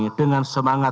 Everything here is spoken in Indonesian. adalah untuk menjaga